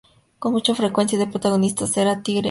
Con mucha frecuencia los protagonistas eran Tigre y Oso.